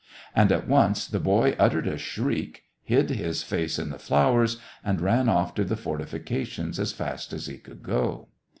And at once the boy uttered a shriek, hid his face in the flowers, and ran off to the fortifications as fast as he could go.